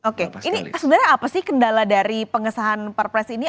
oke ini sebenarnya apa sih kendala dari pengesahan perpres ini